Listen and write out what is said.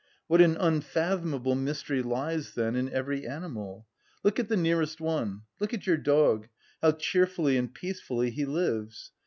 What an unfathomable mystery lies, then, in every animal! Look at the nearest one; look at your dog, how cheerfully and peacefully he lives!